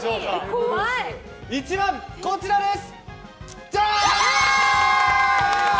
１番、こちらです！